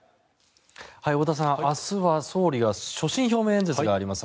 太田さん、明日は総理が所信表明演説があります。